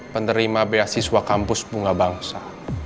penerima beasiswa kampus bunga bangsa